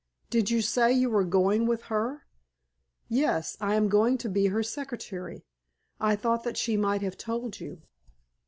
"Did you say you were going with her?" "Yes; I am going to be her secretary. I thought that she might have told you."